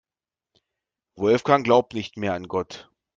Wolfgang glaubt nicht mehr an Gott.